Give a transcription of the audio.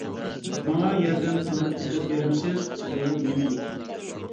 ماڭا ياردەم قىلىپ ئىزدەپ بېرەمسىز؟ سېتىۋالاي دېگەن ئىدىم.